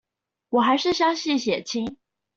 我還是相信血親